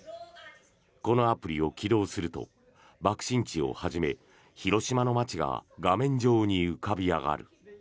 このアプリを起動すると爆心地をはじめ広島の街が画面上に浮かび上がる。